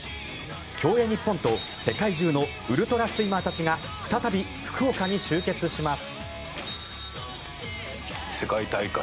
競泳日本と世界中のウルトラスイマーたちが再び、福岡に集結します。